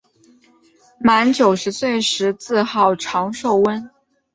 满九十岁时自号长寿翁。